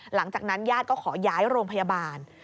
หลังจากนั้นญาติก็ขอย้ายโรงพยาบาล